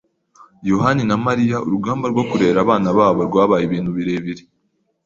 yohani na Mariya urugamba rwo kurera abana babo rwabaye ibintu birebire.